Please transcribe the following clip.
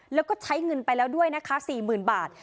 แล้วก็ใช้เงินไปแล้วด้วยนะคะ๔๐๐๐บาท